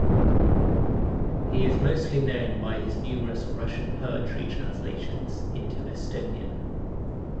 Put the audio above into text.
He is mostly known by his numerous Russian poetry translations into Estonian.